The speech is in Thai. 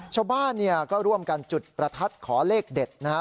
ชาวบ้านเนี่ยก็ร่วมกันจุดประทัดขอเลขเด็ดนะฮะ